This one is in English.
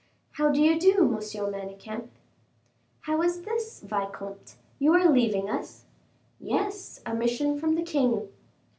"How do you do, Monsieur Manicamp?" "How is this, vicomte, you are leaving us?" "Yes, a mission from the king."